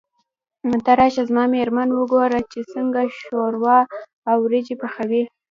ته راشه زما مېرمن وګوره چې څنګه شوروا او وريجې پخوي.